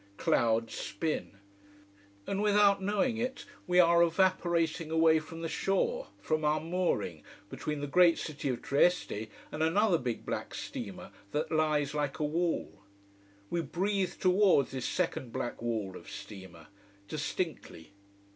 Clouds spin. And without knowing it we are evaporating away from the shore, from our mooring, between the great City of Trieste and another big black steamer that lies like a wall. We breathe towards this second black wall of steamer: distinctly.